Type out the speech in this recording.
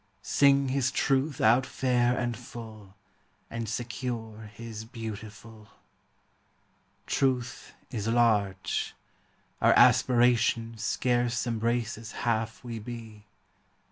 Sing His Truth out fair and full, And secure His beautiful. Truth is large. Our aspiration Scarce embraces half we be.